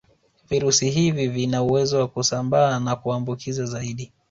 Virusi hivi vina uwezo wa kusambaa na kuambukiza zaidi